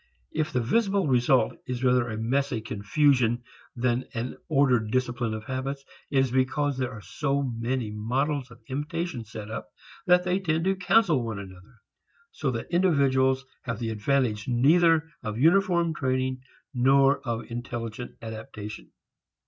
If the visible result is rather a messy confusion than an ordered discipline of habits, it is because there are so many models of imitation set up that they tend to cancel one another, so that individuals have the advantage neither of uniform training nor of intelligent adaptation.